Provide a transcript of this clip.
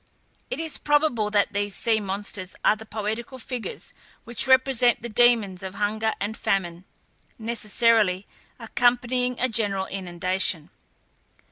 It is probable that these sea monsters are the poetical figures which represent the demons of hunger and famine, necessarily accompanying a general inundation.